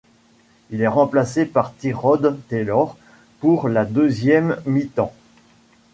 Il est remplacé par Tyrod Taylor pour la deuxième mi-temps.